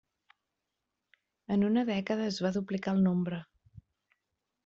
En una dècada es va duplicar el nombre.